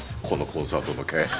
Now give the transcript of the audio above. このコンサートの件。